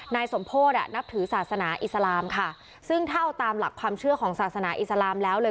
นายสมโพธอ่ะนับถือศาสนาอิสลามค่ะซึ่งถ้าเอาตามหลักความเชื่อของศาสนาอิสลามแล้วเลย